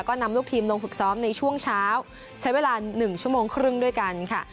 ก็นำลูกทีมลงฝึกซ้อมในช่วงเช้าใช้เวลา๑ชั่วโมงครึ่งด้วยกันค่ะ